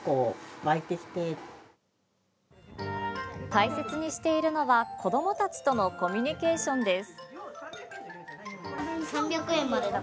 大切にしているのは子どもたちとのコミュニケーションです。